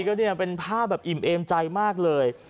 ก็เนี่ยเป็นภาพแบบอิ่มเอมใจมากเลย